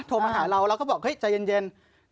โทรมาหาเราแล้วก็บอกเฮ้ยใจเย็น